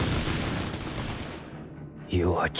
弱き